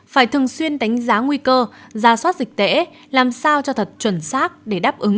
phải thường xuyên đánh giá nguy cơ ra soát dịch tễ làm sao cho thật chuẩn xác để đáp ứng